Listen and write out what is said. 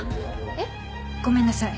えっ？ごめんなさい。